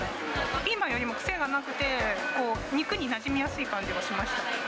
ピーマンよりも癖がなくて、肉になじみやすい感じがしました。